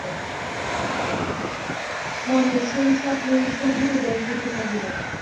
মনে সেই স্বপ্নের ছবিই উদয় হইতে লাগিল।